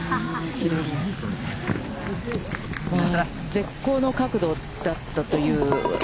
絶好の角度だったという。